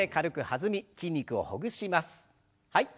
はい。